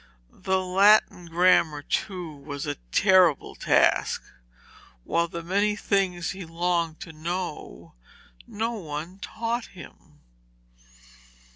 The Latin grammar, too, was a terrible task, while the many things he longed to know no one taught him.